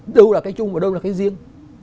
đâu là cái chung và đâu là cái riêng